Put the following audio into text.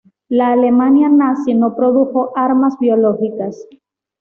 La Alemania Nazi no produjo armas biológicas.